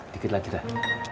dikit lagi deh